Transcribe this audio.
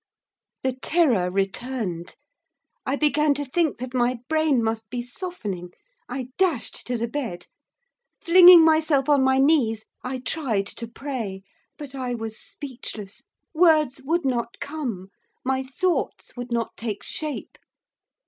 The terror returned, I began to think that my brain must be softening. I dashed to the bed. Flinging myself on my knees, I tried to pray. But I was speechless, words would not come; my thoughts would not take shape.